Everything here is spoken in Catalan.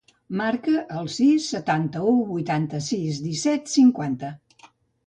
Marca el sis, setanta-u, vuitanta-sis, disset, cinquanta.